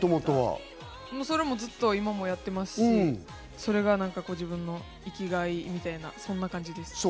それは今もずっとやってますし、それが自分の生きがいみたいな感じです。